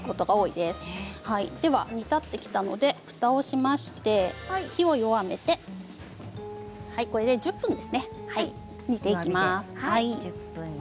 では煮立ってきたのでふたをしまして、火を弱めてこれで１０分ですね。